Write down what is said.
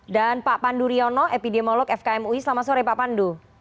dan pak pandu riono epidemiolog fkm ui selamat sore pak pandu